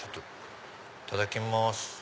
いただきます。